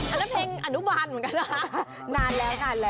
อันนั้นเพลงอนุบาลเหมือนกันค่ะ